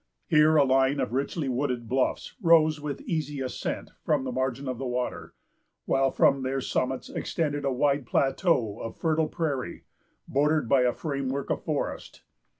Here a line of richly wooded bluffs rose with easy ascent from the margin of the water; while from their summits extended a wide plateau of fertile prairie, bordered by a framework of forest.